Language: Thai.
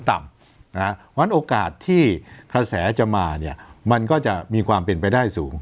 เพราะฉะนั้นโอกาสที่กระแสจะมาเนี่ยมันก็จะมีความเป็นไปได้สูง